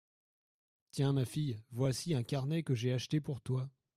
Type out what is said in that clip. Tiens, ma fille, voici un carnet que j’ai acheté pour toi.